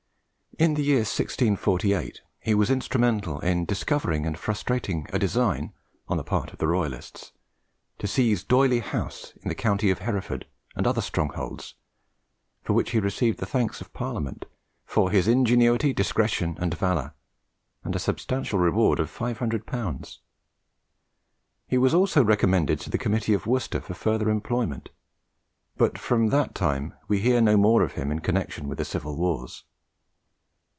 In the year 1648 he was instrumental in discovering and frustrating a design on the part of the Royalists to seize Doyley House in the county of Hereford, and other strongholds, for which he received the thanks of Parliament "for his ingenuity, discretion, and valour," and a substantial reward of 500L. He was also recommended to the Committee of Worcester for further employment. But from that time we hear no more of him in connection with the civil wars.